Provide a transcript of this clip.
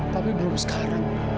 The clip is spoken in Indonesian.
tapi belum sekarang